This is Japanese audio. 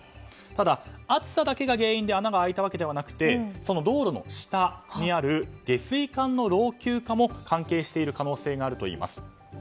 ただ、暑さだけが原因で穴が開いたのではなくて道路の下にある下水管の老朽化も関係している可能性があるといいます。